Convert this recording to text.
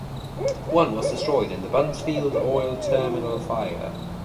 One was destroyed in the Buncefield Oil Terminal Fire.